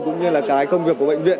cũng như là cái công việc của bệnh viện